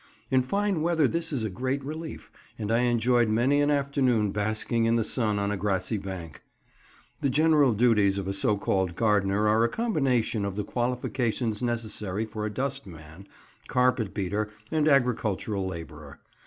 In fine weather this is a great relief, and I enjoyed many an afternoon basking in the sun on a grassy bank. [Picture: Gardening. "Something approaching."] The general duties of a so called gardener are a combination of the qualifications necessary for a dustman, carpet beater, and agricultural labourer.